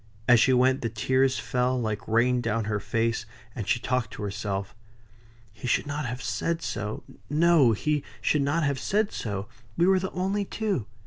As she went, the tears fell like rain down her face, and she talked to herself. "He should not have said so. No! he should not have said so. We were the only two."